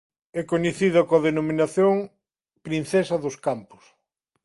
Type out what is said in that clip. É coñecida coa denominación "Princesa dos Campos".